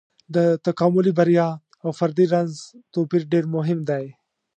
د تکاملي بریا او فردي رنځ توپير ډېر مهم دی.